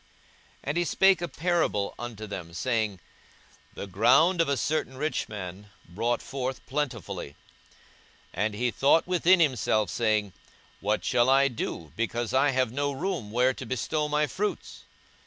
42:012:016 And he spake a parable unto them, saying, The ground of a certain rich man brought forth plentifully: 42:012:017 And he thought within himself, saying, What shall I do, because I have no room where to bestow my fruits?